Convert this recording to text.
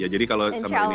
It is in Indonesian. jadi kalau summer ini